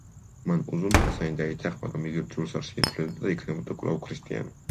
მან უზუნ-ჰასანი დაითანხმა, რომ იგი რჯულს არ შეიცვლიდა და იქნებოდა კვლავ ქრისტიანი.